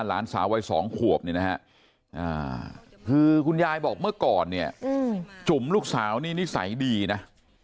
หลานสาววัย๒ขวบเนี่ยนะฮะคือคุณยายบอกเมื่อก่อนเนี่ยจุ่มลูกสาวนี่นิสัยดีนะ